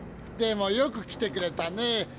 でもよく来てくれたね。